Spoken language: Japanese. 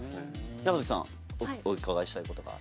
山崎さん、お伺いしたいことは？